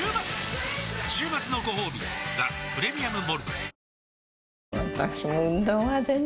週末のごほうび「ザ・プレミアム・モルツ」